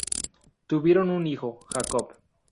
Tuvieron un hijo, Jacob.